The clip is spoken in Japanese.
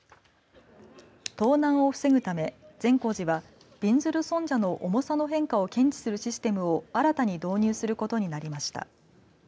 盗難を防ぐため善光寺はびんずる尊者の重さの変化を検知するシステムを新たに導入することになりました。